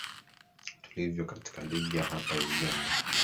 tulivyo katika ligi ya hapa uganda